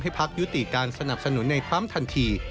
ให้ภักดิ์ยุติการสนับสนุนในความทันที